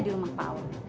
di rumah pak awang